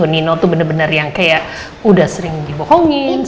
nino tuh bener bener yang kayak udah sering dibohongin